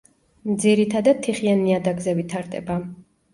ძირითადად თიხიან ნიადაგზე ვითარდება.